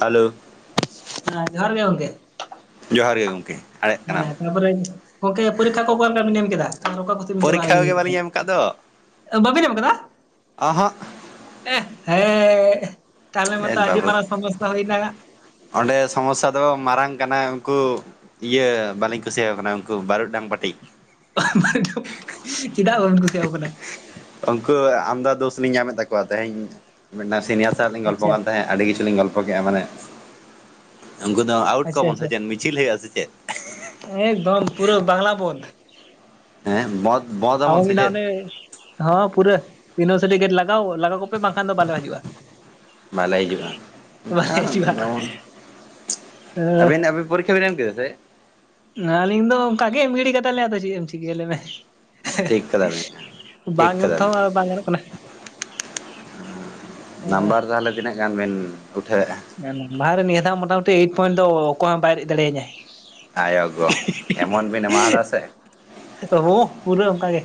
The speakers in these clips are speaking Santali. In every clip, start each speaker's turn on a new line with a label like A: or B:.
A: ᱦᱮᱞᱳ
B: ᱡᱚᱦᱟᱨ ᱜᱮ ᱜᱚᱝᱠᱮ
A: ᱡᱚᱦᱟᱨ ᱜᱮ ᱜᱚᱢᱠᱮ ᱟᱲᱮᱜ ᱠᱟᱱᱟᱢ
B: ᱦᱮᱸ ᱛᱟᱯᱚᱨᱮ ᱜᱚᱝᱠᱮ ᱯᱚᱨᱤᱠᱠᱷᱟ ᱠᱚ ᱚᱠᱟ ᱞᱮᱠᱟ ᱵᱤᱱ ᱮᱢ ᱠᱮᱫᱟ ᱚᱠᱟ ᱠᱚ ᱪᱟᱞᱟᱜ
A: ᱯᱚᱨᱤᱠᱠᱷᱟ
B: ᱞᱟᱜᱤᱫ
A: ᱜᱮ
B: ᱢᱤᱛᱚ ᱫᱚ
A: ᱵᱟᱹᱞᱤᱧ ᱮᱢ ᱟᱠᱟᱫ
B: ᱵᱟᱵᱮᱱ ᱮᱢ ᱠᱟᱫᱟ᱾
A: ᱚᱦᱚᱸᱜ
B: ᱮ ᱦᱮᱸ ᱛᱟᱦᱞᱮ
A: ᱮ
B: ᱢᱟᱛᱚ ᱟᱹᱰᱤ
A: ᱵᱟᱵᱚᱛ
B: ᱢᱟᱨᱟᱝ ᱥᱚᱢᱚᱥᱷᱟ ᱦᱩᱭᱱᱟ᱾
A: ᱚᱸᱰᱮ ᱥᱚᱢᱚᱥᱷᱟ ᱫᱚ ᱢᱟᱨᱟᱝ ᱠᱟᱱᱟ ᱩᱱᱠᱩ ᱤᱭᱟᱹ ᱵᱟᱹᱞᱤᱧ ᱠᱩᱥᱤ ᱣᱟᱠᱚ ᱠᱟᱱᱟ ᱩᱱᱠᱩ ᱵᱟᱹᱨᱩ ᱰᱟᱝ ᱯᱟᱹᱴᱤ
B: ᱪᱮᱫᱟᱜ ᱵᱟᱵᱚᱱ ᱠᱩᱥᱤᱭᱟᱠᱚ ᱠᱟᱱᱟ᱾
A: ᱩᱝᱠᱩ ᱟᱢᱫᱟ ᱫᱳᱥ ᱞᱤᱧ ᱧᱟᱢᱮᱫ ᱛᱟᱠᱚᱣᱟ ᱛᱮᱦᱮᱧ ᱢᱤᱫᱴᱟᱝ ᱥᱤᱱᱤᱭᱟᱨ ᱥᱟᱣ ᱞᱤᱧ ᱜᱚᱞᱯᱚ
B: ᱟᱪᱪᱷᱟ
A: ᱠᱟᱱ ᱛᱟᱦᱮᱸᱫ ᱟᱹᱰᱤ ᱠᱤᱪᱷᱩᱞ ᱞᱤᱧ ᱜᱚᱞᱯᱚ ᱠᱮᱫᱼᱟ ᱢᱟᱱᱮ ᱩᱱᱠᱩ ᱫᱚ ᱟᱣᱩᱴ
B: ᱟᱪᱪᱷᱟ
A: ᱠᱚᱣᱟ ᱵᱚᱱ ᱥᱮ
B: ᱟᱪᱪᱷᱟ
A: ᱪᱮᱫ ᱢᱤᱪᱷᱤᱞ ᱦᱩᱭᱩᱼᱟ ᱥᱮ ᱪᱮᱫ
B: ᱮᱠᱫᱚᱢ ᱯᱩᱨᱟᱹ ᱵᱟᱝᱞᱟ ᱵᱳᱱᱫᱽ
A: ᱦᱮᱸ ᱵᱚᱱᱫ
B: ᱢᱤᱫ ᱫᱷᱟᱣ ᱚᱱᱰᱮ ᱦᱚᱸ ᱯᱩᱨᱟᱹ ᱤᱭᱩᱱᱤᱵᱷᱟᱨᱥᱤᱴᱤ ᱜᱮᱴ ᱞᱟᱜᱟᱣ ᱞᱟᱜᱟ ᱠᱚᱯᱮ ᱵᱟᱝᱠᱷᱟᱱ ᱫᱚ ᱵᱟᱞᱮ ᱦᱤᱡᱩᱜᱼᱟ᱾
A: ᱵᱟᱞ ᱦᱤᱡᱩᱜᱼᱟ
B: ᱵᱟᱞᱮ
A: ᱟᱫ
B: ᱦᱤᱡᱩᱜᱼᱟ
A: ᱫᱟᱵᱚᱱ ᱟᱹᱵᱤᱱ ᱟᱵᱤᱱ ᱯᱚᱨᱤᱠᱠᱷᱟ ᱵᱮᱱ ᱮᱢ ᱠᱮᱼᱟ ᱥᱮ
B: ᱟᱞᱤᱧ ᱫᱚ ᱚᱱᱠᱟ ᱜᱮ ᱮᱢ ᱜᱤᱱᱤ ᱠᱟᱫᱟ ᱞᱤᱧ ᱟᱫᱚ ᱪᱮᱫ ᱮᱢ ᱪᱤᱠᱟᱹᱭᱟᱞᱮ ᱢᱮ
A: ᱴᱷᱤᱠ ᱠᱟᱫᱟᱵᱤᱱ ᱴᱷᱤᱠ
B: ᱵᱟᱝ ᱮᱢ
A: ᱠᱟᱫᱟᱵᱤᱱ
B: ᱛᱮᱦᱚᱸ ᱟᱨ ᱵᱟᱝ ᱜᱟᱱᱚᱜ ᱠᱟᱱᱟ᱾
A: ᱱᱟᱢᱵᱟᱨ ᱛᱟᱦᱞᱮ ᱛᱤᱱᱟᱹᱜ ᱜᱟᱱ ᱵᱮᱱ ᱩᱴᱷᱟᱹᱣ ᱮᱜᱼᱟ᱾
B: ᱮᱠᱫᱚᱢ [unintelligible] ᱱᱤᱭᱟᱹ ᱫᱷᱟᱜ ᱢᱚᱴᱟᱢᱩᱴᱤ ᱮᱭᱤᱴ ᱯᱚᱭᱮᱱᱴ ᱫᱚ ᱚᱠᱚᱭ ᱦᱚᱸᱭ ᱵᱟᱭ ᱨᱮᱡ ᱫᱟᱲᱮᱤᱧᱟ᱾
A: ᱟᱭᱟᱭᱜᱚ ᱮᱢᱚᱱ ᱵᱮᱱ ᱮᱢᱟᱭᱟᱫᱟ ᱥᱮ
B: ᱦᱚ ᱯᱩᱨᱟᱹ ᱚᱱᱠᱟ ᱜᱮ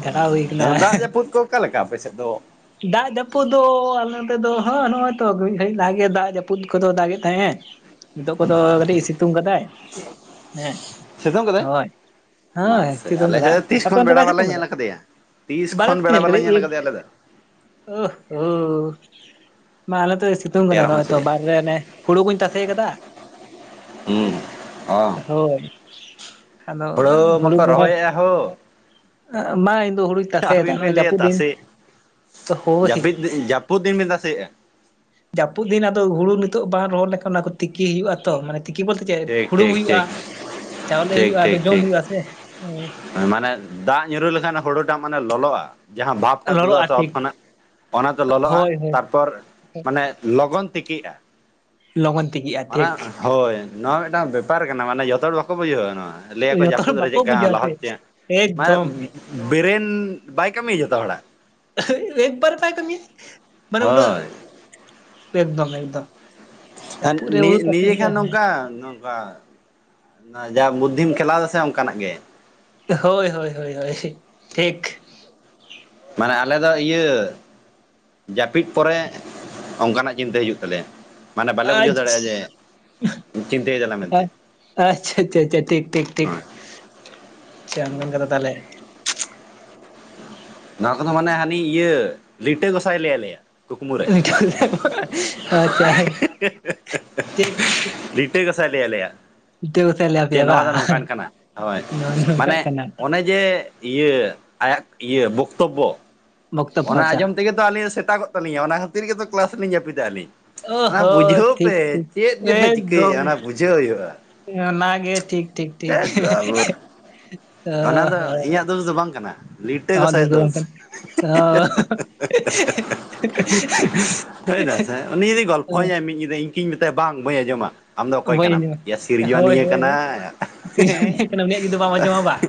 B: ᱡᱷᱟᱲᱟᱣ ᱦᱩᱭ
A: [unintelligible]
B: ᱠᱟᱱᱟ
A: ᱫᱟᱜ ᱡᱟᱯᱩᱫ ᱠᱚ ᱚᱠᱟ ᱞᱮᱠᱟ ᱟᱯᱮ ᱥᱮᱫ ᱫᱚ
B: ᱫᱟᱜ ᱡᱟᱹᱯᱩᱫ ᱫᱚ ᱟᱞᱮ ᱱᱚᱛᱮᱫᱚ ᱦᱚ ᱱᱚᱜᱼᱚᱭ ᱛᱚ ᱢᱤᱛ ᱜᱷᱟᱹᱲᱤᱡ ᱞᱟᱦᱟ ᱜᱮ ᱫᱟᱜ ᱡᱟᱹᱯᱩᱫ ᱠᱚᱫᱚ ᱫᱟᱜᱮᱫ ᱛᱟᱦᱮᱸᱫ ᱮ ᱱᱤᱛᱚᱜ ᱠᱚᱫᱚ ᱠᱟᱹᱴᱤᱡ ᱥᱤᱛᱩᱝ ᱠᱟᱫᱟᱭ ᱦᱮᱸ
A: ᱥᱤᱛᱩᱝ ᱠᱟᱫᱟᱭ
B: ᱦᱳᱭ᱾ ᱦᱮ
A: ᱢᱟᱥᱮ
B: ᱥᱤᱛᱳᱧ
A: ᱟᱞᱮ
B: ᱠᱟᱫᱟᱭ?
A: ᱥᱮᱫ ᱛᱤᱥ
B: ᱟᱯᱮ
A: ᱠᱷᱚᱱ
B: ᱚᱱᱛᱮ
A: ᱵᱮᱲᱟ
B: ᱵᱟᱭ
A: ᱵᱟᱞᱮ
B: ᱥᱤᱛᱩᱧ ᱠᱟᱫᱟ
A: ᱧᱮᱞ ᱠᱟᱫᱮᱭᱟ ᱛᱤᱥ
B: ᱵᱟᱦᱨᱮ
A: ᱠᱷᱚᱱ
B: ᱠᱷᱚᱡ ᱯᱮ
A: ᱵᱮᱲᱟ
B: ᱧᱮᱞ
A: ᱵᱟᱞᱮ
B: ᱠᱟᱫᱮᱭᱟ᱾
A: ᱟᱞᱮ ᱫᱚ
B: ᱳ ᱦᱳᱣ ᱵᱟ ᱟᱞᱮᱫᱚᱭ ᱥᱤᱛ ᱛᱩᱝ ᱠᱟᱫᱟ
A: ᱮᱨᱚᱜ
B: ᱱᱚᱜᱼᱚᱭ ᱛᱚ
A: ᱢᱟᱹᱪᱨᱤ
B: ᱵᱟᱨᱦᱮ ᱨᱮ ᱚᱱᱮ ᱦᱚᱲᱩ ᱠᱩᱧ ᱛᱟᱥᱮ ᱠᱟᱫᱟ᱾
A: ᱦᱚᱸ ᱚᱸ᱾
B: ᱦᱳᱭ ᱟᱫᱚ ᱦᱩᱲᱩ
A: ᱢᱟᱠᱚ
B: ᱠᱚᱨᱮ
A: ᱨᱚᱦᱚᱭᱮᱫᱼᱟ ᱦᱳ
B: ᱢᱟ ᱤᱧ ᱫᱚ ᱦᱩᱲᱩᱧ ᱛᱟᱞᱮᱭᱟ ᱫᱟᱜ
A: ᱟᱹᱵᱤᱱ ᱵᱤᱱ
B: ᱱᱚᱜᱼᱚᱭ
A: ᱞᱟᱹᱭᱮᱫ
B: ᱡᱟᱹᱯᱩᱫ ᱫᱤᱱ
A: ᱛᱟᱥᱮ
B: ᱦᱳᱭ
A: ᱡᱟᱹᱯᱤᱫ ᱡᱟᱹᱯᱩᱫ ᱫᱤᱱ ᱵᱮᱱ ᱛᱟᱥᱮᱭᱮᱜᱼᱟ?
B: ᱡᱟᱹᱯᱩᱫ ᱫᱤᱱ ᱟᱫᱚ ᱦᱩᱲᱩ ᱱᱤᱛᱚᱜ ᱵᱟᱝ ᱨᱚᱦᱚᱲ ᱞᱮᱠᱷᱟᱱ ᱚᱱᱟ ᱠᱚ ᱛᱤᱠᱤ ᱦᱩᱭᱩᱜᱼᱟ ᱛᱚ ᱢᱟᱱᱮ ᱛᱤᱠᱤ ᱵᱚᱞᱛᱮ ᱪᱮᱜ
A: ᱴᱷᱤᱠ
B: ᱦᱩᱲᱩᱝ
A: ᱴᱷᱤᱠ
B: ᱦᱩᱭᱩᱜᱼᱟ
A: ᱴᱷᱤᱠ
B: ᱪᱟᱣᱞᱮ
A: ᱴᱷᱤᱠ
B: ᱦᱩᱭᱩᱜᱼᱟ ᱟᱫᱚ
A: ᱴᱷᱤᱠ
B: ᱡᱚᱢ
A: ᱴᱷᱤᱠ
B: ᱦᱩᱭᱩᱜᱼᱟ ᱥᱮ᱾
A: ᱢᱟᱱᱮ ᱫᱟᱜ ᱧᱩᱨᱩ ᱞᱮᱠᱷᱟᱱ ᱦᱩᱲᱩᱴᱟᱜ ᱢᱟᱱᱮ ᱞᱚᱞᱚᱜᱼᱟ᱾ ᱡᱟᱦᱟᱸ ᱵᱷᱟᱵᱽᱴᱟᱜ ᱛᱩᱫᱩᱜ
B: ᱞᱚᱞᱚᱜᱼᱟ
A: ᱟᱥᱮ ᱚᱛ
B: ᱴᱷᱤᱠ
A: ᱠᱷᱚᱱᱟᱜ ᱚᱱᱟ ᱛᱮ ᱞᱚᱞᱚᱜᱼᱟ
B: ᱦᱳᱭ ᱦᱳᱭ
A: ᱛᱟᱨᱯᱚᱨ ᱢᱟᱱᱮ ᱞᱚᱜᱚᱱ ᱛᱮᱠᱮᱜᱼᱟ᱾
B: ᱞᱚᱜᱚᱱ ᱛᱮᱠᱮᱜᱼᱟ ᱴᱷᱤᱠ ᱾
A: ᱦᱳᱭ ᱱᱚᱣᱟ ᱢᱤᱫᱴᱟᱝ ᱵᱮᱯᱟᱨ ᱠᱟᱱᱟ ᱢᱟᱱᱮ ᱡᱚᱛᱚ ᱦᱚᱲ ᱵᱟᱠᱚ ᱵᱩᱡᱷᱟᱹᱣᱟ ᱱᱚᱣᱟ᱾ ᱞᱟᱹᱭᱟᱠᱚ
B: ᱡᱚᱛᱚ ᱦᱚᱲ
A: ᱡᱟᱹᱯᱩᱫ ᱨᱮ
B: ᱵᱟᱠᱚ
A: ᱪᱮᱫᱠᱟ
B: ᱵᱩᱡᱟ ᱥᱮ
A: ᱞᱟᱦᱚᱫ ᱪᱚᱭᱟ ᱢᱟᱱᱮ
B: ᱮᱠᱫᱚᱢ
A: ᱵᱨᱮᱱ ᱵᱟᱭ ᱠᱟᱹᱢᱤᱭᱟ ᱡᱚᱛᱚ ᱦᱚᱲᱟᱜ᱾
B: [unintelligible] ᱮᱠᱵᱟᱨᱮᱭ ᱵᱟᱭ ᱠᱟᱹᱢᱤᱭᱟ ᱢᱟᱱᱮ ᱩᱱᱟᱹᱜ
A: ᱦᱳᱭ
B: ᱮᱠᱫᱚᱢ ᱮᱠᱫᱚᱢ᱾
A: ᱮᱫ
B: ᱡᱟᱹᱯᱩᱫ ᱨᱮ
A: ᱱᱤᱭᱟᱹ
B: ᱦᱩᱲᱩ ᱛᱟᱥᱮ ᱦᱩᱭᱩᱜᱼᱟ
A: ᱱᱤᱭᱟᱹᱠᱷᱟᱱ
B: ᱦᱮᱸ
A: ᱱᱚᱝᱠᱟ ᱵᱟᱥ ᱱᱚᱭᱟ ᱡᱟ ᱵᱩᱫᱽᱫᱷᱤᱢ ᱠᱷᱮᱞᱟᱣ ᱫᱟ ᱥᱮ ᱚᱝᱠᱟᱱᱟᱜ ᱜᱮ᱾
B: ᱦᱳᱭ ᱦᱳᱭ ᱦᱳᱭ ᱦᱳᱭ ᱴᱷᱤᱠ᱾
A: ᱢᱟᱱᱮ ᱟᱞᱮ ᱫᱚ ᱤᱭᱟᱹ ᱡᱟᱯᱤᱫ ᱯᱚᱨᱮ ᱚᱝᱠᱟᱱᱟᱜ ᱪᱤᱱᱛᱟᱹ ᱦᱤᱡᱩᱜ ᱛᱟᱞᱮᱭᱟ᱾ ᱢᱟᱱᱮ ᱵᱟᱞᱮ ᱵᱩᱡᱷᱟᱹᱣ ᱫᱟᱲᱮᱭᱟᱜᱼᱟ
B: ᱟᱪᱪᱷᱟ
A: ᱡᱮ, ᱪᱤᱱᱛᱟᱹᱭ ᱫᱟᱞᱮ ᱢᱮᱱᱛᱮ᱾
B: ᱟᱪᱪᱷᱟ ᱟᱪᱪᱷᱟ ᱟᱪᱪᱷᱟ ᱴᱷᱤᱠ ᱴᱷᱤᱠ ᱴᱷᱤᱠ ᱚᱝᱠᱟᱱ ᱠᱟᱛᱷᱟ ᱛᱟᱦᱞᱮ᱾
A: ᱱᱚᱣᱟ ᱠᱚᱫᱚ ᱢᱟᱱᱮ ᱦᱟᱹᱱᱤ ᱤᱭᱟᱹ ᱞᱤᱴᱟᱹ ᱜᱚᱸᱥᱟᱭᱮ ᱞᱟᱹᱭᱟ ᱞᱮᱭᱟ᱾ ᱠᱩᱠᱢᱩ ᱨᱮ
B: ᱟᱪᱪᱷᱟ ᱴᱷᱤᱠ
A: [unintelligible] ᱴᱟᱹ ᱜᱚᱥᱟᱭ ᱞᱟᱹᱭᱟᱞᱮᱭᱟ,
B: ᱵᱤᱴᱟᱹᱣ ᱠᱟᱛᱮᱫ ᱞᱟᱹᱭ
A: ᱡᱮ
B: ᱟᱯᱮᱭᱟ
A: ᱱᱚᱣᱟ ᱫᱚ
B: ᱵᱟᱝ
A: ᱱᱚᱝᱠᱟᱱ ᱠᱟᱱᱟ ᱦᱳᱭ
B: ᱱᱚᱣᱟ ᱱᱚᱝᱠᱟᱜ
A: ᱢᱟᱱᱮ
B: ᱠᱟᱱᱟ
A: ᱚᱱᱮ ᱡᱮ ᱤᱭᱟᱹ ᱟᱭᱟᱜ ᱤᱭᱟᱹ ᱵᱚᱠᱛᱚᱵᱵᱚ
B: ᱵᱚᱠᱛᱚ
A: ᱚᱱᱟ
B: ᱯᱚᱦᱪᱟ
A: ᱟᱸᱡᱚᱢ ᱛᱮᱜᱮ ᱛᱚ ᱟᱹᱞᱤᱧ ᱥᱮᱛᱟᱜᱚᱜ ᱛᱟᱞᱤᱧᱟ ᱚᱱᱟ ᱠᱷᱟᱹᱛᱤᱨ ᱜᱮᱛᱚ ᱠᱮᱞᱟᱥ ᱞᱤᱧ ᱡᱟᱯᱤᱫᱟ ᱟᱹᱞᱤᱧ
B: ᱚ
A: ᱾ ᱚᱱᱟ
B: ᱦᱚᱸ
A: ᱵᱩᱡᱷᱟᱹᱣ ᱯᱮ
B: ᱴᱷᱤᱠ ᱴᱷᱤᱠ
A: ᱪᱮᱫ ᱡᱮᱯᱮ ᱪᱤᱠᱟᱹᱭᱮᱜᱼᱟ ᱚᱱᱟ ᱵᱩᱡᱷᱟᱹᱣ ᱦᱳᱭᱳᱜᱼᱟ ᱾
B: ᱮᱸ ᱚᱱᱟ ᱜᱮ ᱴᱷᱤᱠ ᱴᱷᱤᱠ ᱴᱷᱤᱠ [unintelligible]
A: ᱵᱟᱵᱚᱨ
B: ᱚ
A: ᱚᱱᱟ ᱫᱚ
B: ᱦᱚᱸ
A: ᱤᱧᱟᱜ ᱫᱳᱥ ᱫᱚ ᱵᱟᱝ ᱠᱟᱱᱟ ᱞᱤᱴᱟᱹ
B: ᱟᱢᱟᱜ
A: ᱜᱚᱸᱥᱟᱭᱟᱜ
B: ᱫᱚ ᱵᱟᱝ
A: ᱫᱳᱥ
B: ᱠᱟᱱᱟ
A: [unintelligible] [unintelligible] ᱩᱱᱤ ᱡᱩᱫᱤᱭ ᱜᱚᱞᱯᱷᱚᱣ ᱧᱟᱹᱭ ᱢᱤᱫ ᱧᱤᱫᱟᱹ ᱤᱧ ᱠᱤᱧ ᱢᱮᱛᱟᱭᱟ ᱵᱟᱝ ᱵᱟᱹᱧ ᱟᱸᱡᱚᱢᱟ ᱟᱢ ᱫᱚ
B: ᱚ
A: ᱚᱠᱚᱭ
B: ᱵᱟᱹᱧ
A: ᱠᱟᱱᱟᱢ ᱮᱭᱟ
B: ᱟᱸᱡᱚᱢᱟ ᱦᱳᱭ
A: ᱥᱤᱨᱡᱚᱱᱤᱭᱟᱹ
B: ᱦᱳᱭ
A: ᱠᱟᱱᱟᱭ᱾
B: ᱥᱤᱨᱡᱚᱱᱤᱭᱟᱹ ᱠᱟᱱᱟ ᱩᱱᱤᱭᱟᱜ ᱡᱩᱫᱤ ᱵᱟᱢ ᱟᱸᱡᱚᱢᱟ ᱵᱟᱝ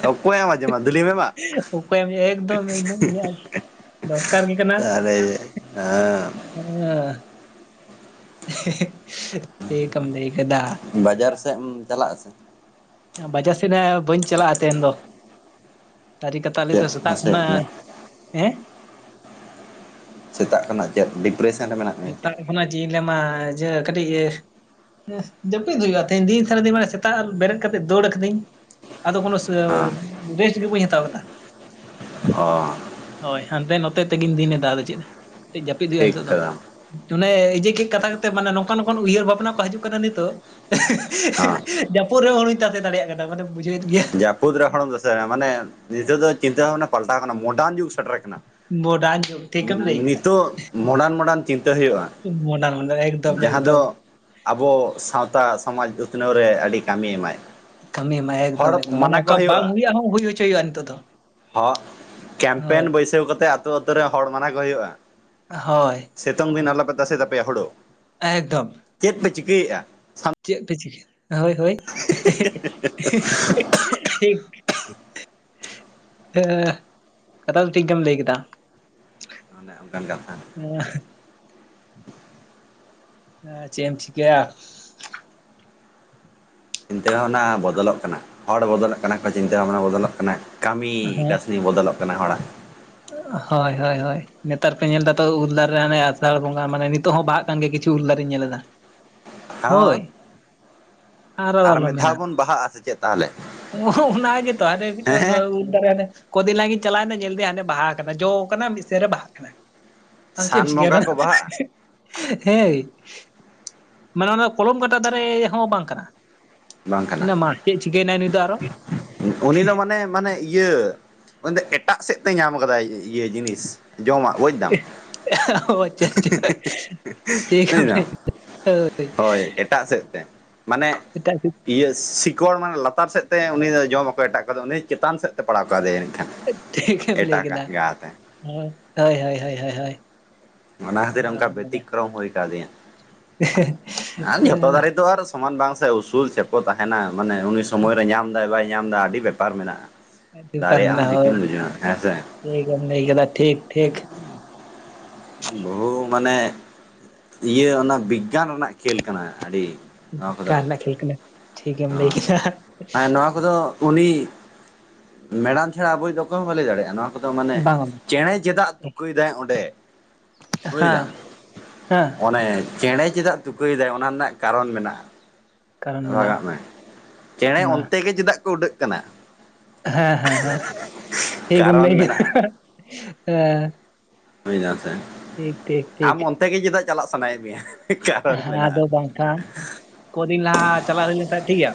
A: ᱚᱠᱚᱭᱮᱢ ᱟᱸᱡᱚᱢᱟ ᱫᱩᱞᱤᱢ ᱮᱢᱟ
B: ᱚᱠᱚᱭᱮᱢ ᱮᱠᱫᱚᱢ ᱮᱠᱫᱚᱢ ᱩᱱᱤᱭᱟᱜ ᱫᱚᱨᱠᱟᱨ ᱜᱮ ᱠᱟᱱᱟ᱾
A: [unintelligible] [unintelligible]
B: [unintelligible] [unintelligible] ᱴᱷᱤᱠ ᱮᱢ ᱞᱟᱹᱭ ᱠᱟᱫᱟ᱾
A: ᱵᱟᱡᱟᱨ ᱥᱮᱜ ᱮᱢ ᱪᱟᱞᱟᱜ ᱟᱥᱮ?
B: ᱵᱟᱡᱟᱨ ᱥᱮᱫ ᱦᱟᱸᱜ ᱵᱟᱹᱧ ᱪᱟᱞᱟᱜᱼᱟ ᱛᱮᱦᱮᱱ ᱫᱚ, ᱥᱟᱹᱨᱤ ᱠᱟᱛᱷᱟ ᱞᱟᱹᱭ
A: ᱪᱮᱫ
B: ᱫᱚ ᱥᱮᱛᱟᱜ
A: ᱱᱟᱥᱮᱭᱮᱫ
B: ᱠᱷᱚᱱᱟᱜ
A: ᱢᱮᱭᱟ
B: ᱮᱸ᱾
A: ᱥᱮᱛᱟᱜ ᱠᱷᱚᱱᱟᱜ ᱪᱮᱫ ᱰᱤᱯᱨᱮᱥᱮᱱ ᱨᱮ ᱢᱮᱱᱟᱜ
B: ᱱᱤᱛᱛᱟᱝ ᱠᱷᱚᱱᱟᱜ ᱪᱮᱫ ᱤᱧ ᱞᱟᱹᱭ ᱟᱢᱟ ᱤᱭᱟᱹ ᱠᱟᱹᱴᱤᱡ ᱟᱹ ᱡᱟᱹᱯᱤᱫ ᱦᱩᱭᱩᱜᱼᱟ ᱛᱮᱦᱮᱧ ᱫᱤᱱ ᱥᱟᱨᱟ ᱫᱤᱱ ᱢᱟᱱᱮ ᱥᱮᱛᱟᱜ ᱵᱮᱨᱮᱫ ᱠᱟᱛᱮᱜ ᱫᱟᱹᱲ ᱠᱟᱹᱫᱟᱹᱧ ᱟᱫᱚ ᱠᱳᱱᱚ
A: ᱦᱮᱸ
B: ᱨᱮᱥᱴ ᱜᱮ ᱵᱟᱹᱧ ᱦᱟᱛᱟᱣ ᱠᱟᱫᱟ᱾
A: ᱚ
B: ᱦᱳᱭ ᱦᱟᱱᱛᱮ ᱱᱚᱛᱮ ᱛᱮᱜᱤᱱ ᱫᱤᱱ ᱮᱫᱟ ᱟᱫᱚ ᱪᱮᱫ ᱠᱟᱹᱴᱤᱡ ᱡᱟᱹᱯᱤᱫ ᱦᱩᱭᱩᱜᱼᱟ
A: ᱴᱷᱤᱠ
B: ᱱᱤᱛᱚᱜ ᱫᱚ᱾
A: ᱠᱟᱫᱟᱢ
B: ᱚᱱᱮ ᱤᱡᱟᱹ ᱠᱟᱹᱡ ᱠᱟᱛᱷᱟ ᱠᱟᱛᱮᱫ ᱢᱟᱱᱮ ᱱᱚᱝᱠᱟ ᱱᱚᱝᱠᱟᱱ ᱩᱭᱦᱟᱹᱨ ᱵᱷᱟᱵᱽᱱᱟ ᱠᱚ ᱦᱟᱡᱩᱜ ᱠᱟᱱᱟ ᱱᱤᱛᱚᱜ᱾
A: ᱦᱮᱸ
B: ᱡᱟᱹᱯᱩᱫ ᱨᱮᱦᱚᱸ ᱦᱚᱲᱩᱧ ᱛᱟᱥᱮ ᱫᱟᱲᱮᱭᱟᱜ ᱠᱟᱱᱟ ᱢᱟᱱᱮᱢ ᱵᱩᱡᱷᱟᱹᱣᱮᱫ ᱜᱮ᱾
A: ᱡᱟᱹᱯᱩᱫ ᱨᱮ ᱦᱚᱸᱲᱚ ᱛᱟᱥᱮ ᱢᱟᱱᱮ ᱫᱤᱥᱟᱹ ᱫᱚ ᱪᱤᱱᱛᱟᱹ ᱵᱷᱟᱵᱽᱱᱟ ᱯᱟᱞᱴᱟᱣ ᱟᱠᱟᱱᱟ ᱢᱚᱰᱟᱨᱱ ᱡᱩᱜᱽ ᱥᱮᱴᱮᱨ ᱟᱠᱟᱱᱟ᱾
B: ᱢᱚᱰᱟᱨᱱ ᱡᱩᱜᱽ ᱴᱷᱤᱠᱮᱢ ᱞᱟᱹᱭ ᱠᱮᱫᱟ
A: ᱱᱤᱛᱳᱜ ᱢᱚᱰᱟᱨᱱ ᱢᱚᱰᱟᱨᱱ ᱪᱤᱱᱛᱟᱹ ᱦᱩᱭᱩᱜᱼᱟ᱾
B: ᱢᱚᱰᱟᱱ ᱢᱟᱱᱮ ᱫᱚ ᱮᱠᱫᱚᱢ
A: ᱡᱟᱦᱟᱸ
B: ᱮᱠᱫᱚᱢ᱾
A: ᱫᱚ ᱟᱵᱚ ᱥᱟᱶᱛᱟ ᱥᱚᱢᱟᱡᱽ ᱩᱛᱱᱟᱹᱣ ᱨᱮ ᱟᱰᱤ ᱠᱟᱢᱤ ᱮᱢᱟᱭ᱾
B: ᱠᱟᱹᱢᱤ ᱮᱢᱟᱭ
A: ᱦᱚᱲ
B: ᱮᱠᱫᱚᱢ ᱮᱠᱫᱚᱢ ᱢᱟᱱᱮ
A: ᱢᱟᱱᱟ ᱠᱚ
B: ᱚᱠᱟ ᱵᱟᱝ
A: ᱦᱩᱭᱩᱜᱼᱟ
B: ᱦᱩᱭᱩᱜᱼᱟᱜ ᱦᱚᱸ ᱦᱩᱭ ᱦᱚᱪᱚᱭ ᱦᱩᱭᱩᱜᱼᱟ ᱱᱤᱛᱚᱜ ᱫᱚ᱾
A: ᱦᱚᱸ ᱠᱮᱢᱯᱮᱱ
B: ᱦᱳᱭ
A: ᱵᱟᱹᱭᱥᱟᱹᱣ ᱠᱟᱛᱮᱫ ᱟᱛᱩ ᱟᱛᱩ ᱨᱮ ᱦᱚᱲ ᱢᱟᱱᱟ ᱠᱚ ᱦᱩᱭᱩᱜᱼᱟ᱾
B: ᱦᱚᱭ᱾
A: ᱥᱮᱛᱩᱝ ᱫᱤᱱ ᱟᱞᱚᱯᱮ ᱛᱟᱥᱮ ᱛᱟᱯᱮᱭᱟ ᱦᱳᱲᱳ᱾
B: ᱮᱠᱫᱚᱢ᱾
A: ᱪᱮᱫ ᱯᱮ ᱪᱤᱠᱟᱹᱭᱮᱜᱼᱟ᱾
B: ᱪᱮᱫ ᱯᱮ ᱪᱤᱠᱟᱹ ᱦᱳᱭ ᱦᱳᱭ ᱴᱷᱤᱠ᱾ ᱦᱮᱸ ᱠᱟᱛᱷᱟ ᱫᱚ ᱴᱷᱤᱠ ᱜᱮᱢ ᱞᱟᱹᱭ ᱠᱮᱫᱟ᱾
A: ᱚᱱᱮ ᱚᱱᱠᱟᱱ ᱠᱟᱛᱷᱟ᱾
B: ᱦ [unintelligible]
A: [inaudible]
B: ᱟ ᱪᱮᱜ ᱮᱢ ᱪᱤᱠᱟᱹᱭᱟ᱾
A: ᱪᱤᱱᱛᱟᱹ ᱵᱷᱟᱵᱱᱟ ᱵᱚᱫᱚᱞᱚᱜ ᱠᱟᱱᱟ ᱦᱚᱲ ᱵᱚᱫᱚᱞᱚᱜ ᱠᱟᱱᱟ ᱠᱚ ᱪᱤᱱᱛᱟᱹ ᱵᱷᱟᱵᱱᱟ ᱵᱚᱫᱚᱞᱚᱜ ᱠᱟᱱᱟ᱾ ᱠᱟᱹᱢᱤ
B: ᱦᱮᱸ
A: ᱠᱟᱹᱥᱱᱤ ᱵᱚᱫᱚᱞᱚᱜ ᱠᱟᱱᱟ ᱦᱚᱲᱟᱜ᱾
B: ᱦᱳᱭ ᱦᱳᱭ ᱦᱳᱭ ᱱᱮᱛᱟᱨ ᱯᱮ ᱧᱮᱞ ᱮᱫᱟᱛᱚ ᱩᱞ ᱫᱟᱨᱮ ᱟᱱᱮ ᱟᱥᱟᱲ ᱵᱚᱸᱜᱟ ᱢᱟᱱᱮ ᱱᱤᱛᱚᱜ ᱦᱚᱸ ᱵᱟᱦᱟᱜ ᱠᱟᱱᱜᱮ ᱠᱤᱪᱷᱩ ᱩᱞ ᱫᱟᱨᱤᱧ ᱧᱮᱞ ᱮᱫᱟ᱾
A: ᱦ
B: ᱦᱳᱭ ᱟᱨᱚ ᱟᱞᱚ ᱢᱮᱱᱟᱜ
A: ᱪᱮᱫ ᱛᱟᱦᱚᱞᱮ
B: ᱚᱱᱟ ᱜᱮᱛᱚ ᱟᱮ ᱢᱤᱫᱴᱟᱝ
A: ᱦᱮᱸ
B: ᱩᱞ ᱠᱚᱫᱤᱱ ᱞᱟᱦᱟ ᱜᱤᱧ ᱪᱟᱞᱟᱣᱱᱟ ᱧᱮᱞ ᱫᱤᱭ ᱦᱟᱱᱮ ᱵᱟᱦᱟ ᱠᱟᱱᱟ ᱡᱚ ᱠᱟᱱᱟ ᱢᱤᱫ ᱥᱮᱱ ᱨᱮ ᱵᱟᱦᱟᱜ ᱠᱟᱱᱟ᱾ ᱟᱫᱟ ᱪᱮᱫ
A: ᱥᱟᱱ
B: ᱪᱮᱠᱟᱭᱟ
A: ᱵᱚᱸᱜᱟ
B: ᱚᱱᱟ᱾
A: ᱠᱚ ᱵᱟᱦᱟᱜᱼᱟ
B: ᱦᱮᱸ ᱢᱟᱱᱮ ᱚᱱᱟ ᱠᱚᱞᱚᱢ ᱠᱟᱴᱟ ᱫᱟᱨᱮ ᱦᱚᱸ ᱵᱟᱝ ᱠᱟᱱᱟ᱾
A: ᱵᱟᱝ ᱠᱟᱱᱟ
B: ᱚᱱᱟ ᱢᱟ ᱪᱮᱫ ᱪᱤᱠᱟᱹᱭᱮᱱᱟᱭ ᱱᱩᱭ ᱫᱚ ᱟᱨᱚ
A: ᱩᱱᱤ ᱫᱚ ᱢᱟᱱᱮ ᱢᱟᱱᱮ ᱤᱭᱟᱹ ᱢᱮᱱᱫᱚ ᱮᱴᱟᱜ ᱥᱮᱫ ᱛᱮᱭ ᱧᱟᱢ ᱠᱟᱫᱟᱭ ᱤᱭᱟᱹ ᱡᱤᱱᱤᱥ ᱡᱚᱢᱟᱜ ᱵᱡᱽᱫᱟᱢ᱾
B: ᱟᱪᱪᱷᱟ ᱟᱪᱪᱷᱟ ᱴᱷᱤᱠ
A: ᱵᱩᱡ
B: ᱮᱢ
A: ᱫᱟᱢ
B: ᱞᱟᱹᱭ ᱠᱟᱫᱟ᱾
A: ᱦᱳᱭ ᱮᱴᱟᱜ ᱥᱮᱫ ᱛᱮ ᱢᱟᱱᱮ ᱤᱭᱟᱹ ᱥᱤᱠᱚᱲ ᱢᱟᱱᱮ ᱞᱟᱛᱟᱨ ᱥᱮᱫ ᱛᱮ ᱩᱱᱤ ᱡᱚᱢ ᱟᱠᱚ ᱮᱴᱟᱜ ᱠᱟᱫᱟ ᱩᱱᱤ ᱪᱮᱛᱟᱱ ᱥᱮᱫ ᱛᱮ ᱯᱟᱲᱟᱣ ᱠᱟᱫᱮᱭᱟ᱾ ᱮᱱᱠᱷᱟᱱ
B: ᱴᱷᱤᱠᱮᱢ ᱞᱟᱹᱭ
A: ᱮᱴᱟᱜᱟᱜ
B: ᱠᱮᱫᱟ
A: ᱜᱟᱛᱮ
B: ᱦᱳᱭ ᱦᱳᱭ ᱦᱳᱭ᱾
A: ᱚᱱᱟ ᱠᱷᱟᱹᱛᱤᱨ
B: ᱟᱨ ᱟᱞᱚᱢ ᱞᱟᱹᱭᱟ
A: ᱵᱮᱛᱤᱠᱨᱚᱢ ᱦᱩᱭ ᱠᱟᱫᱤᱧᱟᱹ ᱡᱚᱛᱚ ᱫᱟᱨᱮ ᱫᱚ ᱟᱨ ᱥᱚᱢᱟᱱ ᱵᱟᱝ ᱥᱮ ᱩᱥᱩᱞ ᱪᱮᱯᱚ ᱛᱟᱦᱮᱱᱟ ᱢᱟᱱᱮ ᱩᱱᱤ ᱥᱚᱢᱚᱭᱨᱮ ᱧᱟᱢᱫᱟᱭ ᱵᱟᱭ ᱧᱟᱢ ᱮᱫᱟ ᱟᱹᱰᱤ ᱵᱮᱯᱟᱨ ᱢᱮᱱᱟᱜᱼᱟ᱾ ᱫᱟᱨᱮᱭᱟᱜᱼᱟ ᱪᱤᱠᱢ ᱞᱟᱹᱭᱟ ᱦᱮᱸᱥᱮ ᱾
B: ᱴᱷᱤᱠᱮᱢ ᱞᱟᱹᱭ ᱠᱮᱫ ᱴᱷᱤᱠ ᱴᱷᱤᱠ᱾
A: ᱵᱚᱦᱩ ᱢᱟᱱᱮ ᱤᱭᱟᱹ ᱚᱱᱟ ᱵᱤᱜᱽᱜᱟᱱ ᱨᱮᱱᱟᱜ ᱠᱷᱮᱞ ᱠᱟᱱᱟ ᱟᱹᱰᱤ ᱱᱚᱣᱟ
B: ᱚᱠᱟ
A: ᱠᱚᱫᱚ
B: ᱨᱮᱱᱟᱜ ᱠᱷᱮᱞ ᱠᱟᱱᱟ ᱴᱷᱤᱠ ᱜᱮᱢ ᱞᱟᱹᱭ ᱠᱮᱫᱟ
A: ᱱᱚᱣᱟ ᱠᱚᱫᱚ ᱩᱱᱤ ᱢᱮᱰᱟᱢ ᱪᱷᱟᱲᱟ ᱟᱵᱚᱭᱤᱡ ᱫᱚ ᱚᱠᱚᱭ ᱦᱚᱸ ᱵᱟᱹᱭ ᱞᱟᱹᱭ ᱫᱟᱲᱮᱭᱟᱜᱼᱟ ᱱᱚᱣᱟ᱾ ᱫᱚ ᱢᱟᱱᱮ
B: ᱵᱟᱝ
A: ᱪᱮᱬᱮ ᱪᱮᱫᱟᱜ ᱛᱩᱠᱟᱹᱭᱫᱟᱭ ᱚᱸᱰᱮ ᱵᱩᱡ
B: ᱦᱮᱸ
A: ᱫᱟᱢ
B: ᱦᱮᱸ
A: ᱟᱱᱮ ᱪᱮᱬᱮ ᱪᱮᱫᱟᱜ ᱛᱩᱠᱟᱹᱭᱫᱟᱭ ᱚᱱᱟ ᱨᱮᱱᱟᱜ ᱠᱟᱨᱚᱱ ᱢᱮᱱᱟᱜᱼᱟ
B: ᱠᱟᱨᱚᱱ
A: ᱾
B: ᱢᱮᱱᱟᱜᱼᱟ
A: ᱵᱷᱟᱜᱟᱜ ᱢᱮ ᱪᱮᱸᱬᱮ
B: ᱢᱟ
A: ᱚᱱᱛᱮ ᱜᱮ ᱪᱮᱫᱟᱜ ᱠᱚ ᱩᱰᱟᱹᱜ ᱠᱟᱱᱟ?
B: ᱦᱮᱸ, ᱦᱮᱸ, ᱦᱮᱸ ᱴᱷᱤᱠ ᱮᱢ
A: ᱠᱟᱨᱚᱱ
B: ᱞᱟᱹᱭ
A: ᱢᱮᱱᱟᱜᱼᱟ
B: ᱠᱮᱫᱟ ᱦᱮᱸ᱾
A: ᱦᱩᱭ ᱱᱟ ᱥᱮ᱾
B: ᱴᱷᱤᱠ, ᱴᱷᱤᱠ, ᱴᱷᱤᱠ᱾
A: ᱚᱰᱮ ᱜᱮ ᱪᱮᱫᱟᱜ ᱪᱟᱞᱟᱜ ᱥᱟᱱᱟᱭᱮᱫ ᱢᱮᱭᱟ? ᱠᱟᱨᱚᱱ
B: ᱦᱮᱸ
A: ᱢᱮᱱᱟᱜᱼᱟ
B: ᱟᱫᱚ ᱵᱟᱝ ᱠᱷᱟᱱ ᱠᱚ ᱫᱤᱱ ᱞᱟᱦᱟ ᱪᱟᱞᱟᱜ ᱦᱩᱭ ᱞᱮᱱ ᱠᱷᱟᱱ ᱴᱷᱤᱠ ᱜᱮᱭᱟ᱾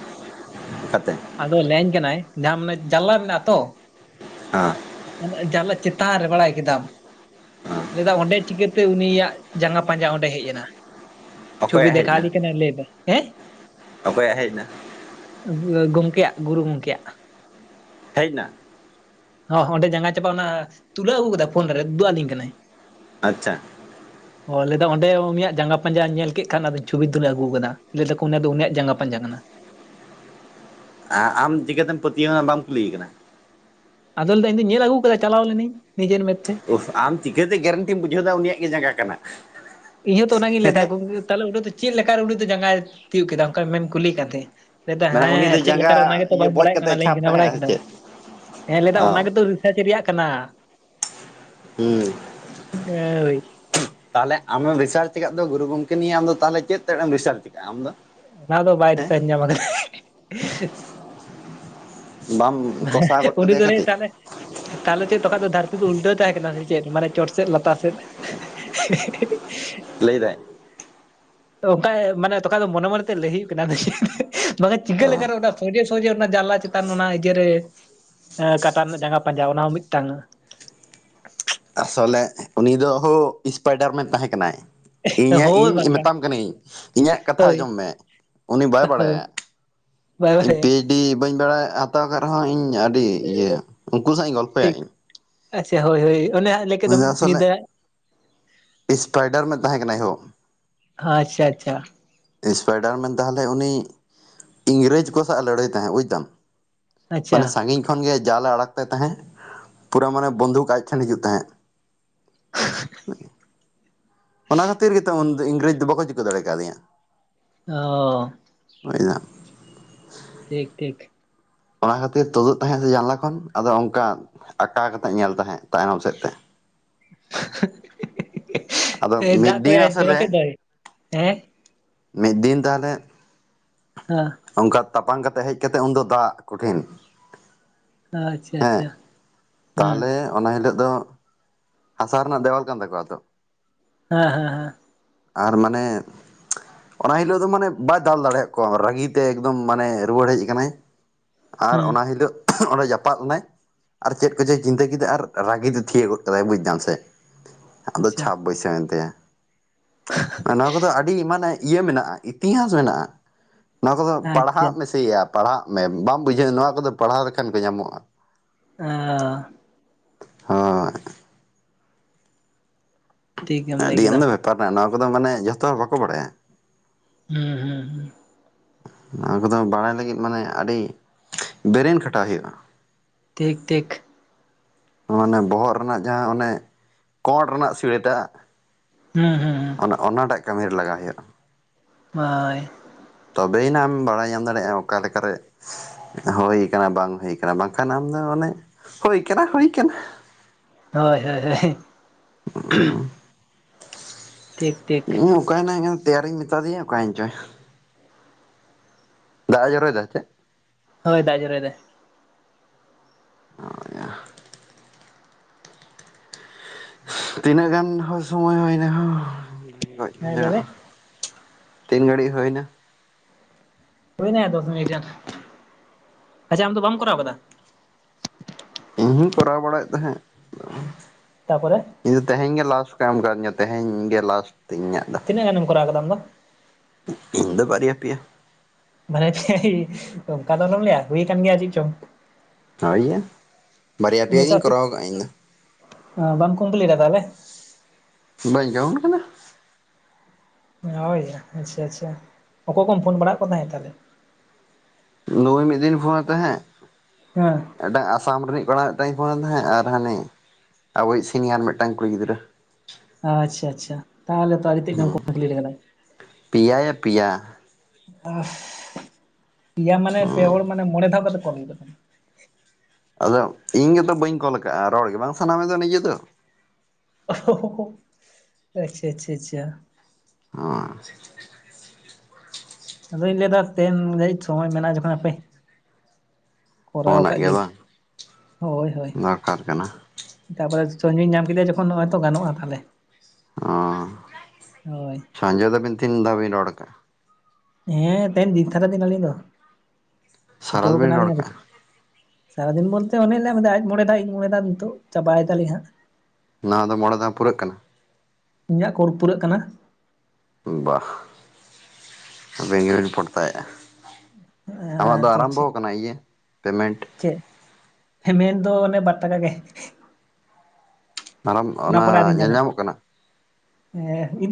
A: ᱚᱱᱠᱟᱛᱮ
B: ᱟᱫᱚ ᱞᱟᱹᱭ ᱟᱹᱧ ᱠᱟᱱᱟᱭ ᱡᱟᱦᱟ ᱢᱟᱱᱮ ᱡᱟᱱᱞᱟ ᱢᱮᱱᱟᱜ ᱛᱚ᱾
A: ᱦᱮᱸ᱾
B: ᱡᱟᱱᱞᱟ ᱪᱮᱛᱟᱱ ᱨᱮ ᱵᱟᱲᱟᱭ ᱠᱮᱫᱟᱢ
A: ᱦᱮᱸ
B: ᱞᱟᱹᱭ-ᱟ ᱚᱸᱰᱮ ᱪᱤᱠᱟᱹ ᱛᱮ‌ ᱩᱱᱤᱭᱟᱜ ᱡᱟᱸᱜᱟ ᱯᱟᱸᱢᱟ ᱚᱸᱰᱮ ᱦᱮᱡ ᱮᱱᱟ᱾ ᱪᱷᱩᱵᱤ
A: ᱚᱠᱚᱭᱟᱜ ᱦᱮᱡ
B: ᱫᱮᱠᱷᱟᱣ
A: ᱮᱱᱟ
B: ᱟᱹᱞᱤᱧ ᱠᱟᱱᱟᱭ ᱞᱟᱹᱭ ᱫᱟᱭ ᱦᱮᱸ᱾
A: ᱚᱠᱚᱭᱟᱜ ᱦᱮᱡ ᱮᱱᱟ
B: ᱜᱚᱝᱠᱮᱭᱟᱜ ᱜᱩᱨᱩ ᱜᱚᱝᱠᱮ‌ᱭᱟᱜ᱾
A: ᱦᱮᱡᱱᱟ ᱾
B: ᱦᱚ ᱚᱸᱰᱮ ᱡᱟᱸᱜᱟ ᱪᱟᱯᱟᱜ ᱚᱱᱟ ᱛᱩᱞᱟᱹᱣ ᱟᱹᱜᱩ ᱠᱟᱫᱟ ᱯᱷᱳᱱ ᱨᱮ ᱩᱫᱩᱜ ᱟᱹᱞᱤᱧ ᱠᱟᱱᱟᱭ᱾
A: ᱟᱪᱪᱷᱟ᱾
B: [inaudible] ᱚ ᱞᱟᱹᱭ ᱫᱟ ᱚᱸᱰᱮ ᱩᱱᱤᱭᱟᱜ ᱡᱟᱸᱜᱟ ᱯᱟᱸᱡᱟ ᱧᱮᱞ ᱠᱮᱫ ᱠᱷᱟᱱ ᱟᱫᱚᱧ ᱪᱷᱚᱵᱤ ᱛᱩᱞᱟᱹᱣ ᱟᱹᱜᱩ ᱠᱟᱫᱟ ᱞᱟᱹᱭ ᱫᱟ ᱠᱚ ᱚᱱᱟ ᱫᱚ ᱩᱱᱤᱭᱟᱜ ᱡᱟᱸᱜᱟ ᱯᱟᱸᱡᱟ ᱠᱟᱱᱟ᱾
A: ᱟᱸᱻ ᱟᱢ ᱪᱤᱠᱟᱹ ᱛᱮᱢ ᱯᱟᱹᱛᱭᱟᱹᱣ ᱮᱱᱟ ᱵᱟᱢ ᱠᱩᱞᱤ ᱠᱟᱱᱟ?
B: ᱟᱫᱚᱭ ᱞᱟᱹᱭ ᱫᱟᱭ ᱤᱧ ᱫᱚᱧ ᱧᱮᱞ ᱟᱹᱜᱩ ᱠᱮᱫᱟ ᱪᱟᱞᱟᱣ ᱞᱤᱱᱤᱧ ᱱᱤᱡᱮᱨ ᱢᱮᱫ ᱛᱮ
A: ᱳᱦ ᱟᱢ ᱪᱤᱠᱟᱹ ᱛᱮ ᱜᱮᱨᱮᱱᱴᱤᱢ ᱵᱩᱡᱷᱟᱹᱣ ᱫᱟ ᱩᱱᱤᱭᱟᱜ ᱜᱮ ᱡᱟᱸᱜᱟ ᱠᱟᱱᱟ?
B: ᱤᱧ ᱦᱚᱸᱛᱚ ᱚᱱᱟ ᱜᱤᱧ ᱞᱟᱹᱭ ᱫᱟ
A: ᱦᱮᱸ
B: ᱜᱚᱝᱠᱮ ᱛᱟᱦᱞᱮ ᱩᱱᱤᱸ ᱫᱚ ᱪᱮᱫ ᱞᱮᱠᱟ ᱨᱮ ᱩᱱᱤ ᱫᱚ ᱡᱟᱸᱜᱟᱭ ᱛᱤᱭᱳᱜ ᱠᱮᱫᱟ ᱚᱱᱠᱟ ᱢᱮᱢ ᱠᱩᱞᱤᱭ ᱠᱟᱱ ᱛᱟᱦᱮᱸᱫ᱾ ᱞᱟᱹᱭ ᱫᱟ
A: ᱢᱟᱱᱮ ᱩᱱᱤ ᱫᱚ
B: ᱦᱮᱸ ᱪᱮᱫ ᱞᱮᱠᱟᱨᱮ ᱚᱱᱟ
A: ᱡᱟᱸᱜᱟ
B: ᱜᱮᱛᱚ
A: ᱤᱭᱟᱹ
B: ᱵᱟᱝ
A: ᱵᱚᱡ
B: ᱵᱟᱲᱟᱭ ᱚᱜ
A: ᱠᱟᱛᱮ
B: ᱠᱟᱱᱟ᱾ᱞᱟᱹᱭ ᱤᱧ
A: ᱪᱷᱟᱯ
B: ᱠᱟᱱᱟ ᱵᱟᱲᱟᱭ
A: ᱛᱟᱦᱮᱸᱜᱼᱟ ᱥᱮ
B: ᱠᱮᱫᱟᱢ
A: ᱪᱮᱫ
B: ᱦᱮᱸ ᱞᱟᱹᱭ ᱫᱟ
A: ᱚ
B: ᱚᱱᱟ ᱜᱮᱛᱚ ᱠᱷᱮᱛ ᱨᱮᱭᱟᱜ ᱠᱟᱱᱟ᱾
A: ᱦᱩᱸ᱾
B: ᱦᱳᱭ
A: ᱛᱟᱦᱞᱮ ᱟᱢᱮᱢ ᱨᱤᱥᱟᱨᱪ ᱟᱠᱟᱫ ᱫᱚ ᱜᱩᱨᱩ ᱜᱚᱝᱠᱮ ᱱᱤᱭᱮ ᱟᱢ ᱫᱚ ᱛᱟᱦᱞᱮ ᱪᱮᱫ ᱛᱮᱫ ᱮᱢ ᱨᱤᱥᱟᱨᱪ ᱟᱠᱟᱜ-ᱟ ᱟᱢ ᱫᱚ?
B: ᱚᱱᱟ ᱫᱚ ᱵᱟᱭ
A: ᱦᱮᱸ
B: ᱨᱤᱥᱟᱨᱪ ᱧᱟᱢ ᱠᱟᱜ-ᱟ᱾
A: ᱵᱟᱢ ᱠᱚᱥᱟᱣ ᱜᱚᱫ
B: ᱩᱱᱤ
A: ᱠᱟᱫᱮᱭᱟ
B: ᱫᱚ
A: ᱠᱟᱹᱴᱤᱡ
B: ᱛᱟᱦᱞᱮ ᱛᱟᱞᱦᱮ ᱪᱮᱫ ᱛᱚᱠᱷᱚᱡ ᱫᱚ ᱫᱷᱟᱹᱨᱛᱤ ᱫᱚ ᱩᱞᱴᱟᱹᱣ ᱛᱟᱦᱮᱸ ᱠᱟᱱᱟ ᱥᱮ ᱪᱮᱫ ᱢᱟᱱᱮ ᱪᱚᱴ ᱥᱮᱫ ᱞᱟᱛᱟᱨ ᱥᱮᱫ᱾ [unintelligible]
A: ᱞᱟᱹᱭ ᱫᱟᱭ᱾
B: ᱚᱱᱠᱟ ᱢᱟᱱᱮ ᱛᱚᱠᱷᱟᱡ ᱫᱚ ᱢᱚᱱᱮ ᱢᱚᱱᱮᱱᱛᱮ ᱞᱟᱹᱭ ᱦᱩᱭᱩᱜ ᱠᱟᱱᱟ ᱟᱫᱚ ᱪᱮᱫ᱾ ᱵᱟᱠᱷᱟᱡ ᱪᱤᱠᱟᱹ
A: ᱚ
B: ᱞᱮᱠᱟ ᱨᱮ ᱚᱱᱟ ᱥᱳᱡᱮ, ᱥᱳᱡᱮ ᱚᱱᱟ ᱡᱟᱱᱞᱟ ᱪᱮᱛᱟᱱ ᱚᱱᱟ ᱤᱭᱟᱹᱨᱮ ᱠᱟᱴᱟ ᱨᱮᱱᱟᱜ ᱡᱟᱸᱜᱟ ᱯᱟᱸᱡᱟ ᱚᱱᱟ ᱦᱚᱸ ᱢᱤᱫᱴᱟᱝ᱾
A: ᱟᱥᱚᱞᱮ ᱩᱱᱤ ᱫᱚ ᱦᱳ ᱥᱯᱟᱭᱰᱟᱨ ᱢᱮᱱ ᱛᱟᱦᱮᱸ ᱠᱟᱱᱟᱭ᱾ ᱤᱧᱟᱹᱜ
B: ᱦᱳᱭ
A: ᱤᱧ
B: ᱵᱟᱠᱷᱟᱱ
A: ᱢᱮᱛᱟᱢ ᱠᱟᱹᱱᱟᱹᱧ ᱤᱧᱟᱹᱜ ᱠᱟᱛᱷᱟ
B: ᱦᱳᱭ
A: ᱟᱸᱡᱚᱢ ᱢᱮ ᱩᱱᱤ ᱵᱟᱭ
B: ᱦᱳᱭ
A: ᱵᱟᱲᱟᱭ-ᱟ᱾
B: ᱵᱟᱭ
A: ᱤᱧ
B: ᱵᱟᱲᱟᱭ-ᱟ᱾
A: ᱯᱤᱭᱤᱪᱰᱤ ᱵᱟᱹᱧ ᱵᱟᱲᱟᱭ ᱦᱟᱛᱟᱣ ᱠᱟᱫ ᱨᱮᱦᱚᱸ ᱤᱧ ᱟᱹᱰᱤ ᱤᱭᱟᱹ ᱩᱱᱠᱩ ᱥᱟᱣ ᱤᱧ ᱜᱚᱞᱯᱷᱚᱭᱟ
B: ᱴᱷᱤᱠ
A: ᱤᱧ᱾
B: ᱟᱪᱪᱷᱟ ᱦᱳᱭ, ᱦᱳᱭ ᱚᱱᱮ ᱦᱟᱸᱜ ᱞᱟᱹᱭ ᱠᱮᱫ
A: ᱩᱱᱤ
B: ᱫᱚᱢ
A: ᱫᱚ ᱟᱥᱚᱞᱮ
B: ᱧᱤᱫᱟᱹ᱾
A: ᱥᱯᱟᱭᱰᱟᱨ ᱢᱮᱱ ᱛᱟᱦᱮᱸ ᱠᱟᱱᱟᱭ ᱦᱳ᱾
B: ᱟᱪᱪᱷᱟ ᱟᱪᱪᱷᱟ
A: ᱥᱯᱟᱭᱰᱟᱨ ᱢᱮᱱ ᱛᱟᱦᱞᱮ ᱩᱱᱤ ᱤᱝᱨᱮᱡᱽ ᱠᱚ ᱥᱟᱜ ᱮ ᱞᱟᱹᱲᱦᱟᱹᱭ ᱛᱟᱦᱮᱸᱫ ᱵᱩᱡᱽ ᱫᱟᱢ᱾
B: ᱟᱪᱪᱷᱟ
A: ᱢᱟᱱᱮ ᱥᱟᱸᱜᱤᱧ ᱠᱷᱚᱱ ᱜᱮ ᱡᱟᱞᱮ ᱟᱲᱟᱜ ᱛᱟᱭ ᱛᱟᱦᱮᱸᱫ᱾ ᱯᱩᱨᱟᱹ ᱢᱟᱱᱮ ᱵᱚᱱᱫᱷᱩᱠ ᱟᱡ ᱴᱷᱮᱱ ᱦᱤᱡᱩᱜ ᱛᱟᱦᱮᱸᱜ᱾
B: [inaudible]
A: ᱚᱱᱟ ᱠᱷᱟᱹᱛᱤᱨ ᱜᱮ ᱛᱚ ᱩᱱᱫᱚ ᱤᱝᱨᱮᱡᱽ ᱫᱚ ᱵᱟᱠᱚ ᱪᱤᱠᱟᱹ ᱫᱟᱲᱮ ᱠᱟᱣᱫᱮᱭ-ᱟ᱾
B: ᱚ
A: ᱵᱩᱡᱽ ᱫᱟᱢ᱾
B: ᱴᱷᱤᱠ ᱴᱷᱤᱠ᱾
A: ᱚᱱᱟ ᱠᱷᱟᱹᱛᱤᱨ ᱛᱩᱫᱩᱜ ᱛᱟᱦᱮᱸᱜ ᱥᱮ ᱡᱟᱱᱞᱟ ᱠᱷᱚᱱ ᱟᱫᱚ ᱚᱝᱠᱟ ᱟᱠᱟ ᱠᱟᱛᱮᱜ ᱧᱮᱞ ᱛᱟᱦᱮᱸᱜ ᱛᱟᱭᱱᱚᱢ ᱥᱮᱫ ᱛᱮ᱾ ᱟᱫᱚ
B: ᱮᱭ ᱫᱟᱜ
A: ᱢᱤᱫ ᱫᱤᱱ
B: ᱠᱚᱭᱟᱭ ᱡᱚᱨᱚ ᱠᱮᱫ
A: ᱟᱥᱚᱞᱮ
B: ᱫᱚᱭ᱾ ᱦᱮᱸ᱾
A: ᱢᱤᱜ ᱫᱤᱱ ᱛᱟᱦᱚᱞᱮ
B: ᱦᱟ᱾
A: ᱚᱝᱠᱟ ᱛᱟᱯᱟᱝ ᱠᱟᱛᱮᱜ ᱦᱮᱡ ᱠᱟᱛᱮᱜ ᱩᱱ ᱫᱚ ᱫᱟᱜ ᱠᱩᱴᱷᱤᱱ᱾
B: ᱟᱪᱷᱟ ᱟᱪᱷᱟ᱾
A: ᱛᱟᱦᱚᱞᱮ ᱚᱱᱟ ᱦᱤᱞᱳᱜ ᱫᱚ ᱦᱟᱥᱟ ᱨᱮᱱᱟᱜ ᱫᱮᱣᱟᱞ ᱠᱟᱱ ᱛᱟᱠᱚᱣᱟ ᱛᱚ᱾
B: ᱦᱮᱸ ᱦᱮᱸ ᱦᱮᱸ᱾
A: ᱟᱨ ᱢᱟᱱᱮ ᱚᱱᱟ ᱦᱤᱞᱳᱜ ᱫᱚ ᱢᱟᱱᱮ ᱵᱟᱭ ᱫᱟᱞ ᱫᱟᱲᱮᱭᱟᱜ ᱠᱚᱣᱟ ᱨᱟᱹᱜᱤ ᱛᱮ ᱮᱠᱫᱚᱢ ᱢᱟᱱᱮ ᱨᱩᱣᱟᱹᱲ ᱦᱮᱡ ᱠᱟᱱᱟᱭ᱾ ᱟᱨ
B: ᱦᱩᱸ
A: ᱚᱱᱟ ᱦᱤᱞᱳᱜ ᱚᱸᱰᱮ ᱡᱟᱯᱟᱜ ᱞᱮᱱᱟᱭ᱾ ᱟᱨ ᱪᱮᱫ ᱠᱚᱪᱚᱭ ᱪᱤᱱᱛᱟᱹ ᱠᱮᱫᱟ ᱟᱨ ᱨᱟᱹᱜᱤ ᱛᱮ ᱛᱷᱤᱭᱟᱹ ᱜᱚᱫ ᱠᱮᱫᱟᱭ ᱵᱩᱡ ᱫᱟᱢ ᱥᱮ᱾ ᱟᱫᱚ
B: ᱟᱪᱪᱷᱟ
A: ᱪᱷᱟᱯ ᱵᱟᱹᱭᱥᱟᱹᱣᱮᱱ ᱛᱟᱭᱟ, ᱱᱚᱣᱟ ᱠᱚᱫᱚ ᱟᱹᱰᱤ ᱢᱟᱱᱮ ᱤᱭᱟᱹ ᱢᱮᱱᱟᱜᱼᱟ ᱤ ᱛᱤᱦᱟᱸᱥ ᱢᱮᱱᱟᱜᱼᱟ, ᱱᱚᱣᱟ ᱠᱚᱫᱚ
B: ᱟᱪᱪᱷᱟ
A: ᱯᱟᱲᱦᱟᱜ ᱢᱮᱥᱮᱭᱟ ᱯᱟᱲᱦᱟᱜ ᱢᱮ᱾ ᱵᱟᱢ ᱵᱩᱡᱷᱟᱹᱣ ᱱᱚᱣᱟ ᱠᱚᱫᱚ ᱯᱟᱲᱦᱟᱣ ᱞᱮᱠᱷᱟᱱ ᱜᱮ ᱧᱟᱢᱚᱜᱼᱟ᱾
B: ᱚᱸ᱾
A: ᱦᱚᱸ
B: ᱴᱷᱤᱠ ᱜᱮᱢ ᱞᱟᱹᱭ
A: ᱟᱹᱰᱤ
B: ᱠᱮᱫᱟ
A: ᱟᱢᱫᱟ ᱵᱮᱯᱟᱨ ᱱᱟᱜ ᱱᱚᱣᱟ ᱠᱚᱫᱚ ᱢᱟᱱᱮ ᱡᱷᱚᱛᱚ ᱦᱚ ᱵᱟᱠᱩ ᱵᱟᱲᱟᱭᱟ᱾
B: ᱦᱩᱸ ᱦᱩᱸ ᱦᱩᱸ᱾
A: ᱱᱚᱣᱟ ᱠᱚᱫᱚ ᱵᱟᱲᱟᱭ ᱞᱟᱹᱜᱤᱫ ᱢᱟᱱᱮ ᱟᱹᱰᱤ ᱵᱮᱨᱮᱱ ᱠᱷᱟᱴᱟᱣ ᱦᱩᱭᱩᱜᱼᱟ᱾
B: ᱴᱷᱤᱠ ᱴᱷᱤᱠ᱾
A: ᱢᱟᱱᱮ ᱵᱚᱦᱚᱜ ᱨᱮᱱᱟᱜ ᱡᱟᱦᱟᱸ ᱚᱱᱮ ᱠᱚᱸᱰ ᱨᱮᱱᱟᱜ ᱥᱤᱲᱟᱹ ᱴᱟᱜ
B: ᱦᱩᱸ ᱦᱩᱸ ᱦᱩᱸ᱾
A: ᱱᱟ ᱚᱱᱟᱴᱟᱜ ᱠᱟᱹᱢᱤ ᱨᱮ ᱞᱟᱜᱟᱣ ᱦᱩᱭᱩᱜᱼᱟ᱾
B: ᱵᱟᱭ᱾
A: ᱛᱚᱵᱮᱭᱮᱱᱟ ᱟᱢ ᱵᱟᱲᱟᱭ ᱧᱟᱢ ᱫᱟᱲᱮᱜᱼᱟ ᱚᱠᱟ ᱞᱮᱠᱟ ᱨᱮ ᱦᱳᱭ ᱠᱟᱱᱟ ᱵᱟᱝ ᱦᱩᱭ ᱠᱟᱱᱟ ᱵᱟᱝᱠᱷᱟᱱ ᱟᱢ ᱫᱚ ᱚᱱᱮ, ᱦᱩᱭ ᱠᱟᱱᱟ ᱦᱩᱭ ᱠᱟᱱᱟ᱾
B: ᱦᱳᱭ ᱦᱳᱭ ᱦᱳᱭ᱾ ᱴᱷᱤᱠ ᱴᱷᱤᱠ
A: [unintelligible] ᱚᱠᱟᱭ ᱱᱟᱭ ᱤᱧ ᱛᱮᱭᱟᱨᱤᱧ ᱢᱮᱛᱟ ᱫᱤᱭᱟ ᱚᱠᱟᱭᱮᱱ ᱪᱚᱭ᱾ ᱫᱟᱜ ᱮ ᱡᱚᱨᱚᱭ ᱫᱟ ᱦᱤᱛᱮ?
B: ᱦᱳᱭ, ᱫᱟᱜ ᱮ ᱡᱚᱨᱚᱭ ᱫᱟ᱾
A: [unintelligible] ᱛᱤᱱᱟᱹᱜ ᱜᱟᱱ ᱦᱳ ᱥᱚᱢᱚᱭ ᱦᱳᱭᱱᱟ ᱦᱳ? ᱜᱚᱡᱽ
B: ᱦᱮᱸ ᱞᱟᱹᱭ ᱢᱮ
A: ᱜᱷᱟᱸᱡᱮᱲᱚᱜᱼᱟ᱾ ᱛᱤᱱ ᱜᱷᱟᱹᱲᱤᱡ ᱦᱳᱭ ᱱᱟ?
B: ᱦᱳᱭ ᱱᱟᱭᱟ ᱫᱚᱥ ᱢᱤᱱᱤᱴ ᱜᱟᱱ, ᱟᱪᱷᱟ ᱟᱢ ᱫᱚ ᱵᱟᱢ ᱠᱚᱨᱟᱣ ᱠᱟᱫᱟ?
A: ᱤᱧ ᱦᱩᱧ ᱠᱚᱨᱟᱣ ᱵᱟᱲᱟᱭᱮᱜ ᱛᱟᱦᱮᱸᱜ᱾
B: ᱛᱟᱯᱚᱨᱮ
A: ᱤᱧ ᱫᱚ ᱛᱮᱦᱮᱧ ᱜᱮ ᱞᱟᱥ ᱠᱟ ᱮᱢ ᱠᱟᱣᱫᱤᱧᱟ ᱛᱮᱦᱮᱧ ᱜᱮ ᱞᱟᱥ ᱛᱤᱧ ᱤᱧᱟᱹᱜ ᱫᱚ᱾
B: ᱛᱤᱱᱟᱹᱜ ᱜᱟᱱᱮᱢ ᱠᱚᱨᱟᱣ ᱠᱟᱫᱟ ᱟᱢ ᱫᱚ
A: ᱤᱧ ᱫᱚ ᱵᱟᱨᱭᱟ ᱯᱮᱭᱟ᱾
B: ᱢᱟᱱᱮ ᱚᱱᱠᱟ ᱫᱚ ᱟᱞᱚᱢ ᱞᱟᱹᱭᱟ ᱦᱩᱭ ᱠᱟᱱ ᱜᱮᱭᱟ ᱪᱤᱜ ᱪᱚᱝ᱾
A: ᱦᱳᱭ ᱭᱟ ᱵᱟᱨᱭᱟ ᱯᱮᱭᱟ ᱜᱤᱧ ᱠᱚᱨᱟᱣ ᱠᱟᱜᱼᱟ ᱤᱧ ᱫᱚ᱾
B: ᱦᱟᱸ ᱵᱟᱢ ᱠᱚᱢᱯᱞᱤᱴᱟ ᱛᱟᱦᱚᱞᱮ?
A: ᱵᱟᱹᱧ ᱠᱟᱹᱣᱩᱱᱴ ᱠᱟᱫᱟ᱾
B: ᱦᱳᱭᱼᱭᱟ ᱟᱪᱷᱟ ᱟᱪᱷᱟ ᱚᱠᱚᱭ ᱠᱚᱢ ᱯᱷᱳᱱ ᱵᱟᱲᱟ ᱟᱜ ᱠᱚ ᱛᱟᱦᱮᱸᱫ ᱛᱟᱦᱞᱮ?
A: ᱱᱩᱭ ᱢᱤᱫ ᱫᱤᱱ ᱯᱷᱳᱱᱮ ᱛᱟᱦᱮᱸᱫ ᱾
B: ᱦᱮᱸ᱾
A: ᱮᱴᱟᱜ ᱟᱥᱟᱢ ᱨᱤᱱᱤᱡ ᱠᱚᱲᱟ ᱢᱤᱫ ᱴᱟᱝ ᱤᱧ ᱯᱷᱳᱱ ᱟᱫᱮ ᱛᱟᱦᱮᱸᱫ ᱟᱨ ᱦᱟᱱᱤ ᱟᱵᱚᱭᱤᱡ ᱥᱤᱱᱤᱭᱟᱨ ᱢᱤᱫ ᱴᱟᱝ ᱠᱩᱲᱤ ᱜᱤᱫᱽᱨᱟᱹ ᱾
B: ᱟᱪᱪᱷᱟ ᱟᱪᱪᱷᱟ ᱛᱟᱦᱚᱞᱮ ᱛᱚ ᱟᱹᱰᱤ ᱛᱮᱫ ᱜᱮᱢ ᱠᱚᱢᱯᱞᱤᱴ ᱟᱠᱟᱫᱟ ᱾
A: ᱯᱮᱭᱟ ᱭᱟ ᱯᱮᱭᱟ ᱾
B: [inaudible] ᱯᱮᱭᱟ ᱢᱟᱱᱮ ᱯᱮ
A: ᱦᱮᱸ
B: ᱦᱚᱲ ᱢᱟᱱᱮ ᱢᱚᱬᱮ ᱫᱷᱟᱣ ᱠᱟᱛᱮ ᱠᱚᱞ ᱦᱩᱭ ᱠᱚᱜ ᱛᱟᱢᱟ ᱾
A: ᱟᱫᱚ ᱤᱧ ᱜᱮᱛᱚ ᱵᱟᱹᱧ ᱠᱚᱞ ᱠᱟᱜᱼᱟ ᱨᱚᱲ ᱜᱮ ᱵᱟᱝ ᱥᱟᱱᱟ ᱢᱮᱫᱚ ᱱᱤᱡᱮ ᱫᱚ ᱾
B: [unintelligible] ᱟᱪᱪᱷᱟ ᱟᱪᱪᱷᱟ ᱪᱷᱟ ᱾
A: [unintelligible]
B: ᱟᱫᱚᱧ ᱞᱟᱹᱭ ᱫᱟ ᱛᱮᱧ ᱜᱷᱟᱲᱤᱡ ᱥᱚᱢᱚᱭ ᱢᱮᱱᱟᱜᱼᱟ ᱡᱚᱠᱷᱚᱱ ᱦᱟᱯᱮ ᱠᱚᱨᱟᱣ
A: ᱯᱷᱳᱱᱟᱜ
B: ᱠᱟᱜ
A: ᱜᱮ
B: ᱜᱤᱧ
A: ᱵᱟᱝ
B: ᱦᱳᱭ ᱦᱳᱭ
A: ᱫᱚᱨᱠᱟᱨ ᱠᱟᱱᱟ
B: ᱾ ᱛᱟᱯᱚᱨᱮ ᱥᱚᱧᱡᱚᱭᱮᱧ ᱧᱟᱢ ᱠᱮᱫᱮᱭᱟ ᱡᱚᱠᱷᱚᱱ ᱱᱚᱜᱼᱚᱭ ᱛᱚ ᱜᱟᱱᱚᱜᱼᱟ ᱛᱟᱦᱞᱮ
A: ᱚ
B: ᱦᱳᱭ ᱾
A: ᱥᱟᱸᱡᱮ ᱛᱟᱵᱤᱱ ᱛᱤᱱ ᱫᱷᱟᱣ ᱵᱤᱱ ᱨᱚᱲ ᱠᱟᱜᱼᱟ?
B: ᱦᱮᱸ ᱛᱮᱦᱮᱧ ᱫᱤᱱ ᱛᱷᱟᱨᱟ ᱫᱤᱱ ᱟᱹᱞᱤᱧ ᱫᱚ
A: ᱥᱟᱨᱟ
B: ᱪᱷᱩᱴᱟᱹᱣ
A: ᱫᱚᱵᱤᱱ ᱨᱚᱲ
B: ᱠᱟᱱᱟᱞᱤᱧ
A: ᱠᱟᱜᱼᱟ
B: [inaudible] ᱥᱟᱨᱟ ᱫᱤᱱ ᱵᱚᱞᱛᱮ ᱚᱱᱮ ᱞᱮ ᱢᱮᱱᱫᱟ ᱟᱡ ᱢᱚᱬᱮ ᱫᱷᱟ ᱤᱧ ᱢᱚᱬᱮ ᱫᱷᱟ ᱱᱤᱛᱚᱜ ᱪᱟᱵᱟᱭ ᱫᱟ ᱞᱤᱧ ᱦᱟᱸᱜ ᱾
A: ᱱᱚᱣᱟ ᱫᱚ ᱢᱚᱬᱮ ᱫᱷᱟ ᱯᱩᱨᱟᱹᱜ ᱠᱟᱱᱟ?
B: ᱤᱧᱟᱹᱜ ᱠᱚᱨ ᱯᱩᱨᱟᱹᱜ ᱠᱟᱱᱟ ᱾
A: ᱵᱟᱦ [inaudible] ᱵᱮᱸᱜᱮᱞ ᱯᱷᱚᱴᱠᱟᱭᱮᱜᱼᱟ ᱾ ᱟᱢᱟᱜ ᱫᱚ
B: ᱦᱮᱸ ᱛᱚ
A: ᱟᱨᱟᱢᱵᱚ
B: ᱪᱮᱫ
A: ᱠᱟᱱᱟ ᱤᱭᱟᱹ ᱯᱮᱢᱮᱱᱴ?
B: ᱦᱮᱢᱮᱱ ᱫᱚ ᱚᱱᱮ ᱵᱟᱴ ᱴᱟᱠᱟ ᱜᱮ ᱾
A: ᱟᱨᱟᱢ
B: ᱚᱱᱟ ᱯᱚᱨᱮ ᱟᱣᱨᱤᱧ
A: ᱧᱮᱞ
B: ᱧᱟᱢᱟ
A: ᱧᱟᱢᱚᱜ ᱠᱟᱱᱟ
B: ᱮᱸ ᱤᱱᱫ